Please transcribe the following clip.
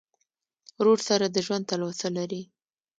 ورور سره د ژوند تلوسه لرې.